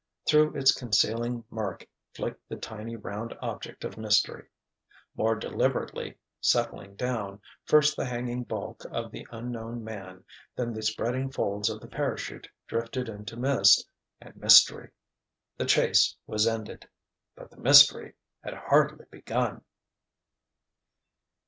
Through its concealing murk flicked the tiny round object of mystery. More deliberately, settling down, first the hanging bulk of the unknown man, then the spreading folds of the parachute drifted into mist—and mystery. The chase was ended. But the mystery had hardly begun!